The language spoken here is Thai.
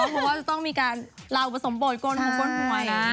เพราะว่าจะต้องมีการลาอุปสมโปรดกลมของกลมหัวนะ